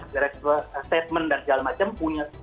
direktur statement dan segala macam punya